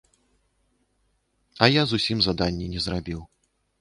А я зусім заданне не зрабіў.